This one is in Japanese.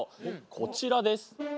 こちらです。